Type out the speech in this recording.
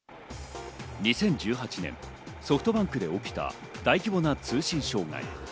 ２０１８年、ソフトバンクで起きた大規模な通信障害。